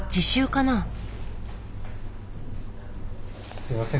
すみません